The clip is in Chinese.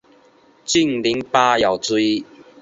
竟陵八友之一。